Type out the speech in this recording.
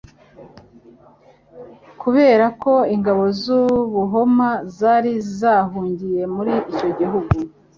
kubera ko Ingabo z'u Buhoma zari zahungiye muri icyo gihugu,